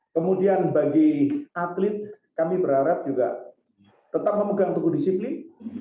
kemudian bagi atlet kami berharap juga tetap memegang teguh disiplin